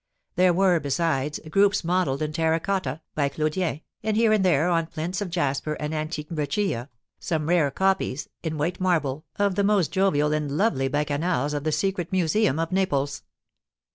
There were, besides, groups modelled in terra cotta, by Clodien, and here and there, on plinths of jasper or antique breccia, some rare copies, in white marble, of the most jovial and lovely bacchanals of the Secret Museum of Naples.